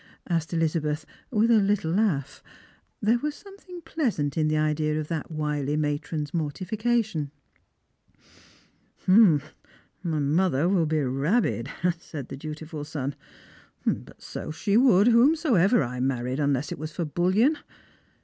asked Elizabeth, with a little laugh. There was something pleasant in the idea of that wily matron's mortification. " My mother will be rabid," said the dutiful son ;" but so she woiild whomsoever I married, unless it was for bullion.